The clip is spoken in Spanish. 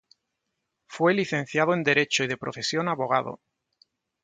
Fue licenciado en Derecho y de profesión abogado.